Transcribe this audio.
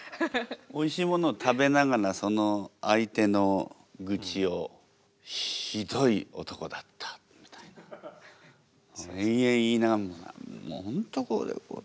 おいしいものを食べながらその相手の愚痴を「ひどい男だった」みたいな延々言いながらもう本当こうで。